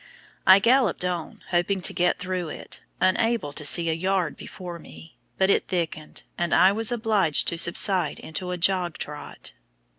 I galloped on, hoping to get through it, unable to see a yard before me; but it thickened, and I was obliged to subside into a jog trot.